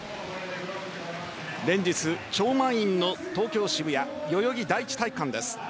連日、超満員の東京・渋谷代々木第一体育館です。